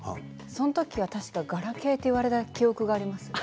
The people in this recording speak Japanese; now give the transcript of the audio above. その時はガラケーと言われたことがあります。